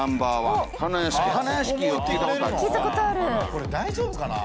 これ大丈夫かな？